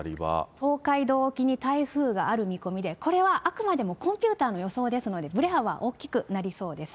東海道沖に台風がある見込みで、これはあくまでもコンピューターの予想ですので、振れ幅は大きくなりそうです。